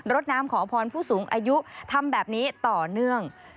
ดน้ำขอพรผู้สูงอายุทำแบบนี้ต่อเนื่อง